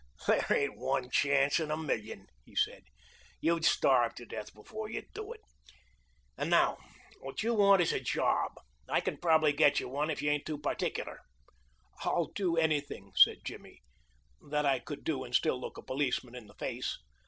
"There ain't one chance in a million," he said. "You'd starve to death before you'd do it. And now, what you want is a job. I can probably get you one if you ain't too particular." "I'd do anything," said Jimmy, "that I could do and still look a policeman in the face."